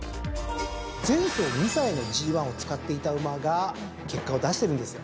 前走２歳のＧⅠを使っていた馬が結果を出してるんですよ。